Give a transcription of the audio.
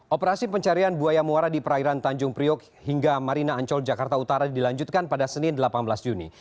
operasi pencarian buaya muara di perairan tanjung priok hingga marina ancol jakarta utara dilanjutkan pada senin delapan belas juni